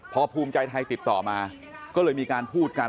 พอภูมิใจไทยติดต่อมาก็เลยมีการพูดกัน